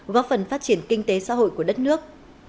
góp phần phát triển kinh tế xã hội của đất nước